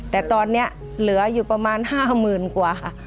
แต่ตอนนี้เหลืออยู่ประมาณ๕๐๐๐กว่าค่ะ